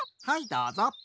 はいどうぞ。